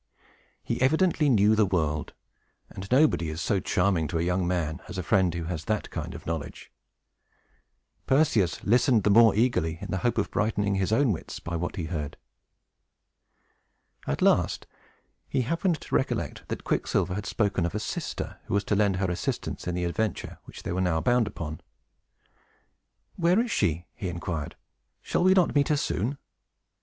He evidently knew the world; and nobody is so charming to a young man as a friend who has that kind of knowledge. Perseus listened the more eagerly, in the hope of brightening his own wits by what he heard. At last, he happened to recollect that Quicksilver had spoken of a sister, who was to lend her assistance in the adventure which they were now bound upon. "Where is she?" he inquired. "Shall we not meet her soon?"